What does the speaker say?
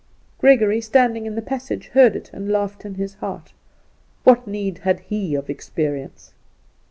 Gregory, standing in the passage, heard it and laughed in his heart. What need had he of experience?